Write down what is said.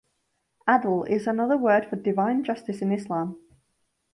Adl is another word for divine justice in Islam.